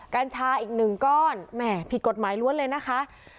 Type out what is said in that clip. กัญชาอีกหนึ่งก้อนแหม่ผิดกฎหมายล้วนเลยนะคะ